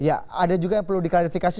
ya ada juga yang perlu diklarifikasi